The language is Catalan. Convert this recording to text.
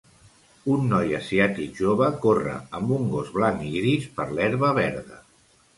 Un noi asiàtic jove corre amb un gos blanc i gris per l'herba verda.